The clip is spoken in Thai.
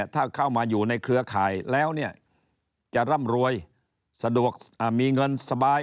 ถ้าเข้ามาอยู่ในเครือข่ายแล้วเนี่ยจะร่ำรวยสะดวกมีเงินสบาย